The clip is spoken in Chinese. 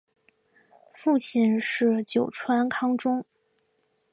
父亲是酒井康忠。